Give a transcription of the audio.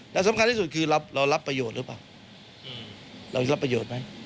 และสำคัญที่สุดคือเรารับประโยชน์หรือเปล่าเรารับประโยชน์ไหม